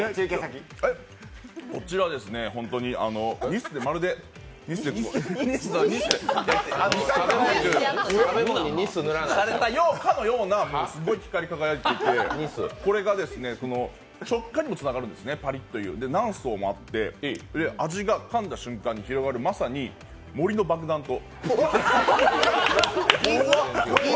こちら本当にニスで、まるでされたかのようなすごい光り輝いていてこれが食感にもつながるんですね、パリッという何層もあって、味が、かんだ瞬間に広がる、まさに森の爆弾と。